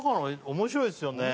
面白いですよね。